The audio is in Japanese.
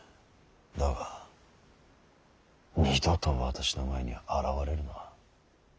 だが二度と私の前に現れるな。